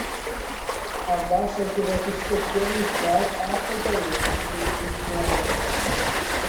Addas ar gyfer disgyblion uwchradd ac oedolion sy'n dysgu Cymraeg.